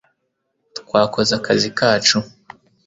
twakoze akazi kacu